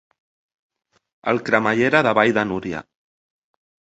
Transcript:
El cremallera de Vall de Núria.